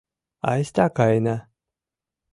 Айста каена!